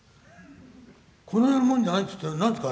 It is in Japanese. この世のもんじゃないっつったら何ですか？